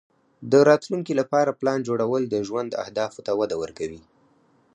د راتلونکې لپاره پلان جوړول د ژوند اهدافو ته وده ورکوي.